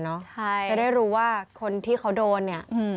จะได้รู้ว่าคนที่เขาโดน